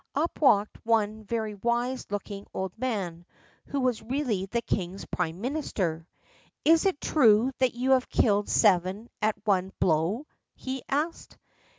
Up walked one very wise looking old man, who was really the king's prime minister. "Is it true that you have killed seven at one blow?" he asked.